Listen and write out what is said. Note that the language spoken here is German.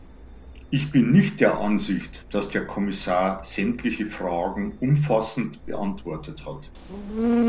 Ich bin nicht der Ansicht, dass der Kommissar sämtliche Fragen umfassend beantwortet hat.